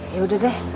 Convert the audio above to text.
ya udah deh